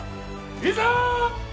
いざ！